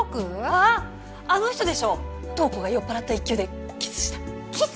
ああっあの人でしょ瞳子が酔っ払った勢いでキスしたキス！？